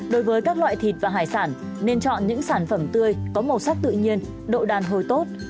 đối với các loại thịt và hải sản nên chọn những sản phẩm tươi có màu sắc tự nhiên độ đàn hồi tốt